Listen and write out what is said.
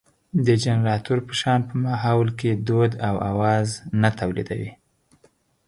د جنراتور په شان په ماحول کې دود او اواز نه تولېدوي.